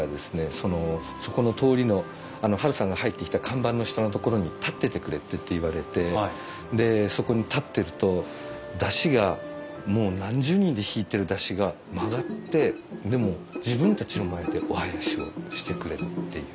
そのそこの通りのハルさんが入ってきた看板の下の所に立っててくれって言われてでそこに立ってると山車がもう何十人で引いてる山車が曲がってでもう自分たちの前でお囃子をしてくれたっていう。